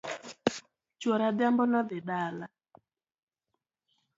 Chuor adhiambo nodhi dala